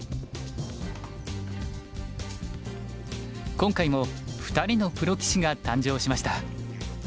今回も２人のプロ棋士が誕生しました。